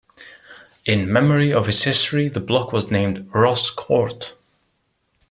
In memory of its history the block was named Ross Court.